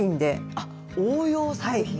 あっ応用作品。